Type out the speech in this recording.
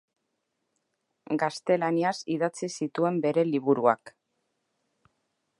Gaztelaniaz idatzi ditu bere liburuak.